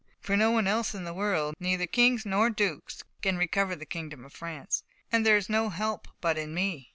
For no one else in the world, neither kings, nor dukes, can recover the kingdom of France, and there is no help but in me.